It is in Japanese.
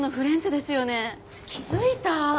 気付いた？